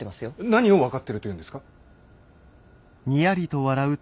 何を分かってるというんですか？